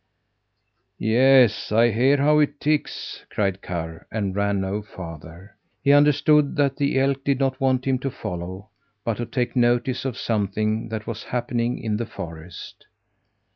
"Yes, I hear how it ticks," cried Karr, and ran no farther. He understood that the elk did not want him to follow, but to take notice of something that was happening in the forest.